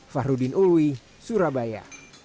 fahrudin uwi surabaya